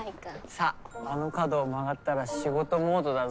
さああの角を曲がったら仕事モードだぞ。